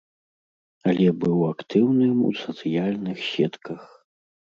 Але быў актыўным у сацыяльных сетках.